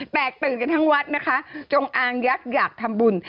แตกตื่นกันทั้งวัดนะคะจงอางยักษ์อยากทำบุญ